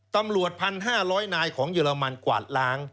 ตำรวจ๑๕๐๐นายของเยอรมันกวาดลาง